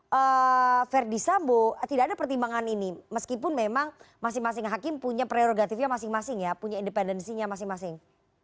oke verdi sambo tidak ada pertimbangan ini meskipun memang masing masing hakim punya prerogatifnya masing masing ya punya independensinya masing masing